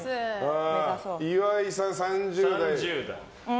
岩井さん、３０代。